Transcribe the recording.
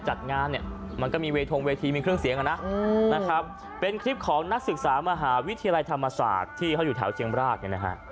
จัดงานเนี่ยมันก็มีเวทงเวทีมีเครื่องเสียงกันนะนะครับเป็นคลิปของนักศึกษามหาวิทยาลัยธรรมศาสตร์ที่เขาอยู่แถวเชียงรากเนี่ยนะฮะ